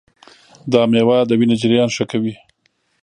دا مېوه د وینې جریان ښه کوي.